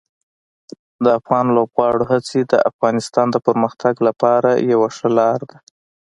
د افغان لوبغاړو هڅې د افغانستان د پرمختګ لپاره یوه ښه لار ده.